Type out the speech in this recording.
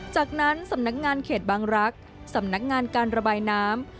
จากนั้นสำนักงานเขตบางรักษ์สำนักงานการระบายน้ำ